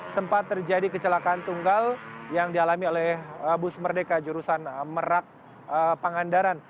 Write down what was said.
sempat terjadi kecelakaan tunggal yang dialami oleh bus merdeka jurusan merak pangandaran